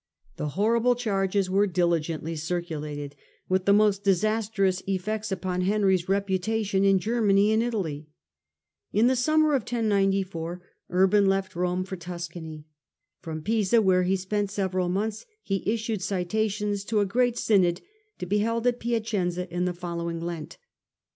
The horrible charges were diligently circulated, with the most disastrous effects upon Henry's reputation in Germany and Italy. In the summer of 1094, Urban left Rome for Tus cany. From Pisa, where he spent several months, he Synod at issued citatious to a great synod to be held ^ mcenza, ^^ Piaceuza in the following Lent.